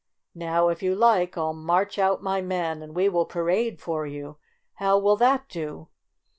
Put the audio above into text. Now, if you like, I'll march out my men and we will parade for you. How will that do?"